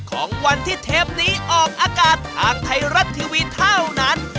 ของวันที่เทปนี้ออกอากาศทางไทยรัฐทีวีเท่านั้น